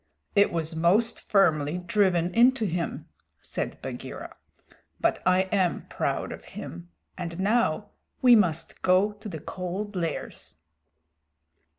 "It was most firmly driven into him," said Bagheera. "But I am proud of him, and now we must go to the Cold Lairs."